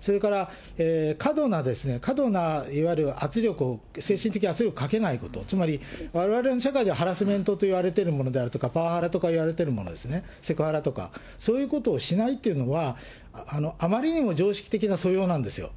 それから過度な、過度ないわゆる圧力を、精神的圧力をかけないこと、つまりわれわれの社会ではハラスメントといわれているものであるとか、パワハラとかいわれてるものですね、セクハラとか、そういうことをしないというのは、あまりにも常識的な素養なんですよ。